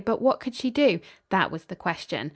But what could she do? That was the question.